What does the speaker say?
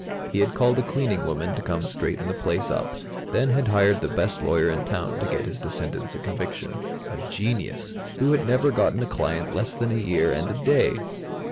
He had called a cleaning woman to come straighten the place up, then had hired the best lawyer in town to get his descendants a conviction, a genius who had never gotten a client less than a year and a day.